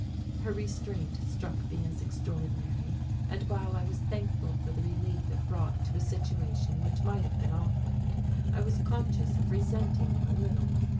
Her restraint struck me as extraordinary; and while I was thankful for the relief it brought to a situation which might have been awkward, I was conscious of resenting it a little.